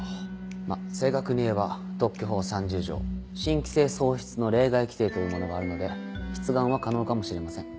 まっ正確に言えば特許法３０条「新規性喪失の例外規定」というものがあるので出願は可能かもしれません。